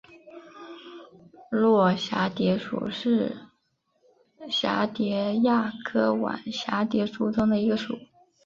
络蛱蝶属是蛱蝶亚科网蛱蝶族中的一个属。